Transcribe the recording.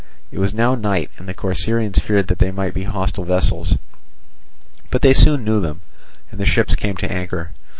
It was now night, and the Corcyraeans feared that they might be hostile vessels; but they soon knew them, and the ships came to anchor.